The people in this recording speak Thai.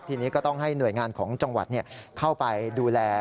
ทีนี้ก็ต้องให้หน่วยงานของจังหวัดเข้าไปดูแล